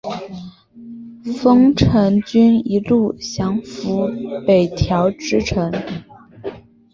丰臣军一路降伏北条支城。